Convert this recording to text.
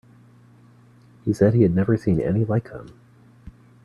He said he had never seen any like them.